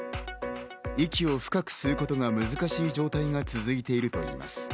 息を深く吸うことが難しい状態が続いているといいます。